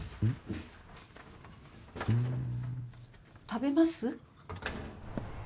食べます？